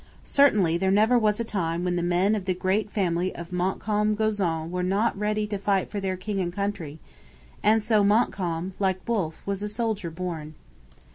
Certainly there never was a time when the men of the great family of Montcalm Gozon were not ready to fight for their king and country; and so Montcalm, like Wolfe, was a soldier born.